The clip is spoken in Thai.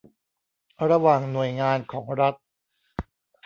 ระหว่างหน่วยงานของรัฐ